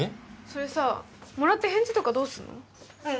それさもらって返事とかどうすんの？